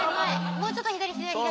もうちょっと左左左左。